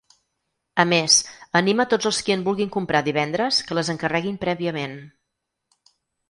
A més, anima tots els qui en vulguin comprar divendres que les encarreguin prèviament.